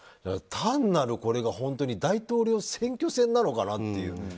単なるこれが本当に大統領選挙戦なのかなっていう。